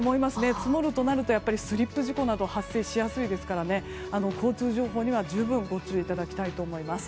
積もるとスリップ事故が発生しやすいですから十分ご注意いただきたいと思います。